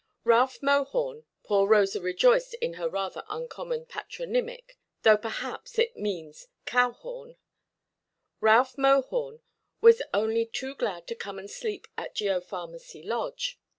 Ralph Mohorn—poor Rosa rejoiced in her rather uncommon patronymic, though perhaps it means Cow–horn—Ralph Mohorn was only too glad to come and sleep at Geopharmacy Lodge.